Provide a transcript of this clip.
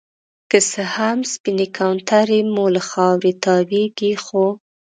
که څه هم سپينې کونترې مو له خاورې تاويږي ،خو